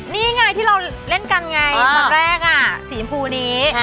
นี่ไงที่เราเล่นกันไงวันแรกอ่ะสีอินพูนี้